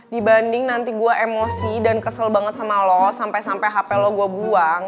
dibanding nanti gue emosi dan kesel banget sama lo sampai sampai hp lo gue buang